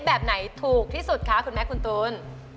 แบบไหนถูกที่สุดคะคุณแม่คุณตูน